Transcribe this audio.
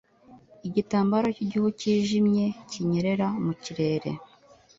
igitambaro cy'igihu cyijimye kinyerera mu kirere